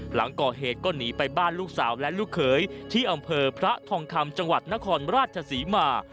หลังก่อเหตุก็หนีไปบ้านลูกสาวและลูกเขยที่อำเภอพระทองคำจังหวัดนครราชศรีมา